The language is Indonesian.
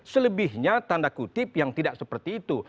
selebihnya tanda kutip yang tidak seperti itu